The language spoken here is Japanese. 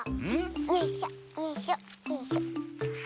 よいしょよいしょよいしょ。